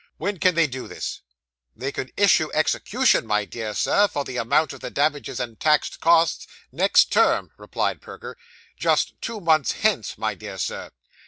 When can they do this?' 'They can issue execution, my dear Sir, for the amount of the damages and taxed costs, next term,' replied Perker, 'just two months hence, my dear sir.